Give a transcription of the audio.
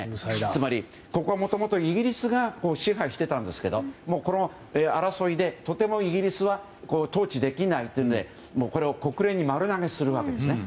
つまり、ここはもともとイギリスが支配してたんですけど争いでとてもイギリスは統治できないといってこれを国連に丸投げするわけですね。